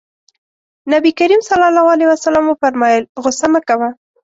نبي کريم ص وفرمايل غوسه مه کوه.